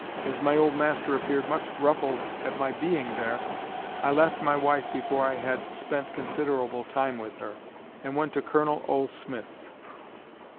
As my old master appeared much ruffled at my being there, I left my wife before I had spent considerable time with her, and went to Colonel O. Smith's.